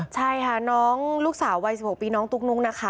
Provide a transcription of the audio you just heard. ใช่ค่ะน้องลูกสาววัย๑๖ปีน้องตุ๊กนุ๊กนะคะ